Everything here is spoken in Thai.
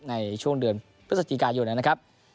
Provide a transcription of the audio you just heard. ในช่วงเดือนพฤศจิกายนนะครับ